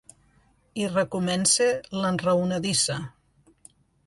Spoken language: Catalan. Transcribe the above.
I recomença l'enraonadissa.